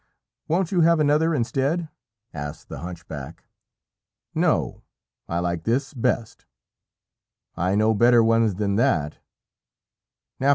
"Won't you have another instead?" asked the hunchback. "No. I like this best." "I know better ones than that."